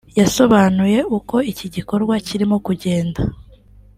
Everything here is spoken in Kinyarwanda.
yasobanuye uko iki gikorwa kirimo kugenda